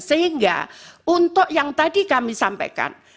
sehingga untuk yang tadi kami sampaikan